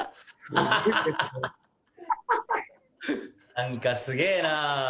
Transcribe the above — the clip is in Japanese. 何かすげえな。